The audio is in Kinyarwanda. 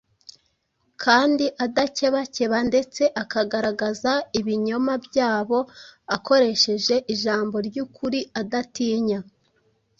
kandi adakebakeba ndetse akagaragaza ibinyoma byabo akoresheje ijambo ry’ukuri adatinya.